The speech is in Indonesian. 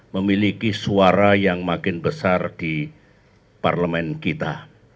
memiliki suara yang makin besar di parlemen kita